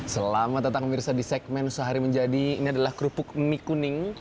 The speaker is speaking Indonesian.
selamat datang mirsa di segmen sehari menjadi ini adalah kerupuk mie kuning